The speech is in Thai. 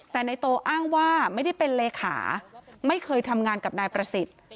แต่นายโตอ้างว่าไม่ได้เป็นเลขาไม่เคยทำงานกับนายประสิทธิ์